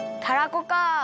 たらこか。